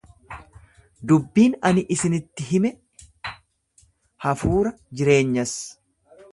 Dubbiin ani isinitti hime hafuura, jireenyas.